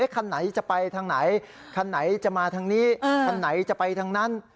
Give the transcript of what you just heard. คันไหนจะไปทางไหนคันไหนจะมาทางนี้คันไหนจะไปทางนั้น